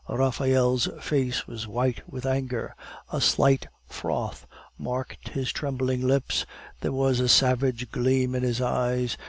Raphael's face was white with anger; a slight froth marked his trembling lips; there was a savage gleam in his eyes.